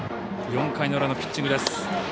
４回の裏のピッチングです。